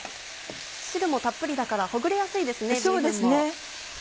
汁もたっぷりだからほぐれやすいですねビーフンも。